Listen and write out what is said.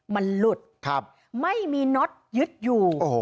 มันหลุดไม่มีน็อตยึดอยู่